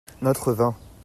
notre vin.